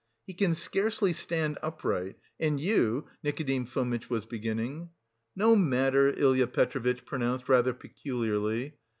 "He can scarcely stand upright. And you..." Nikodim Fomitch was beginning. "No matter," Ilya Petrovitch pronounced rather peculiarly.